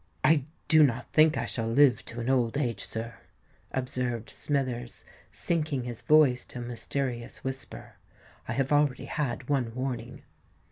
"I do not think I shall live to an old age, sir," observed Smithers, sinking his voice to a mysterious whisper: "I have already had one warning!"